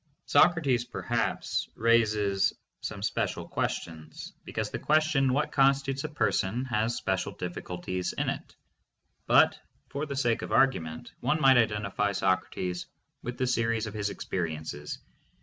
Socrates, perhaps, raises some special questions, because the question what constitutes a person has special difficul ties in it. But, for the sake of argument, one might identify Socrates with the series of his experiences.